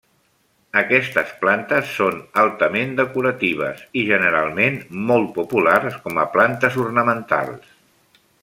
Aquestes plantes són altament decoratives i, generalment, molt populars com a plantes ornamentals.